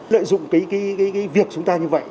lợi dụng cái việc chúng ta như vậy